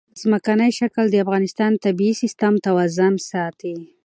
ځمکنی شکل د افغانستان د طبعي سیسټم توازن ساتي.